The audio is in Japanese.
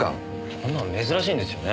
こんなの珍しいんですよね。